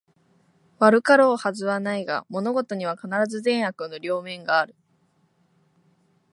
悪かろうはずはないが、物事には必ず善悪の両面がある